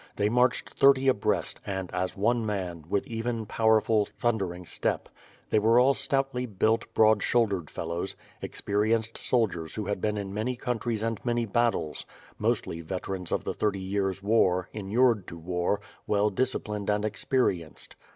They marched thirty abreast and, as one man, with even, powerful, thundering step. They were all stoutly built, broad shouldered fellows — experienced soldiers who had been in many countries and many battles; mostly veterans of the Thirty Years' War, inured to war, well disciplined and ex perienced.